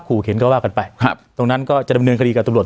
อืม